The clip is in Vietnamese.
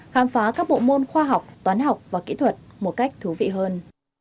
khám phá các bộ môn khoa học toán học và kỹ thuật một cách thú vị hơn